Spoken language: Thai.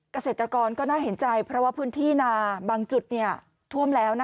เกษตรกรก็น่าเห็นใจเพราะว่าพื้นที่นาบางจุดท่วมแล้ว